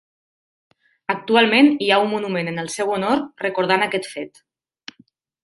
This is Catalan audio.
Actualment hi ha un monument en el seu honor recordant aquest fet.